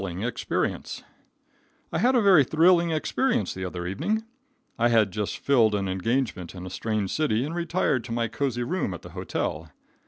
A Thrilling Experience. I had a very thrilling experience the other evening. I had just filled an engagement in a strange city, and retired to my cozy room at the hotel.